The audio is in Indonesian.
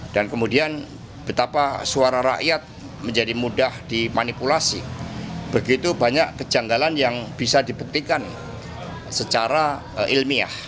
dan kemudian betapa suara rakyat menjadi mudah dimanipulasi begitu banyak kejanggalan yang bisa dibuktikan secara ilmiah